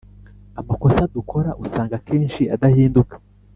Amakosa dukora usanga akenshi adahinduka